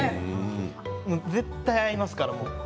絶対に合いますから。